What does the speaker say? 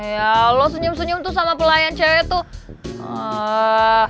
ya allah senyum senyum tuh sama pelayan cewek tuh